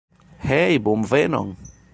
Hej, bonvenon.